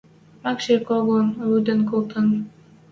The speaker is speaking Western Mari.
Макси когон лӱдӹн колтен: